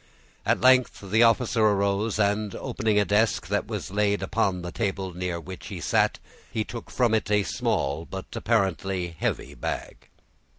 At length the officer arose, and opening a desk that was laid upon the table near which he sat, took from it a small, but apparently heavy bag.